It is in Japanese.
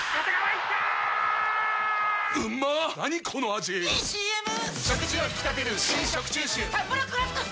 ⁉いいＣＭ！！